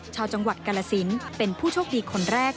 ชาวจังหวัดกาลสินเป็นผู้โชคดีคนแรก